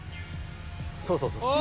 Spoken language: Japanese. そうそうそうそう。